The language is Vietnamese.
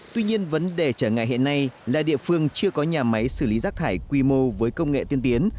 tuy nhiên vấn đề trở ngại hiện nay là địa phương chưa có nhà máy xử lý rác thải quy mô với công nghệ tiên tiến